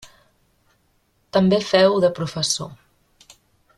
També feu de professor.